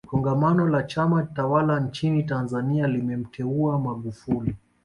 kongamano la chama tawala nchini tanzania lilimteua magufuli